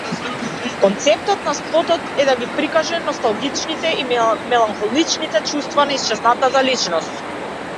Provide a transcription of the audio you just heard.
Концептот на спотот е да ги прикаже носталгичните и меланхолични чувства за исчезната личност.